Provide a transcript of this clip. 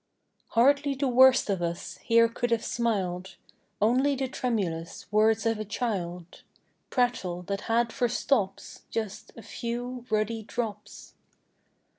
Hardly the worst of us Here could have smiled! Only the tremulous Words of a child: Prattle, that had for stops Just a few ruddy drops.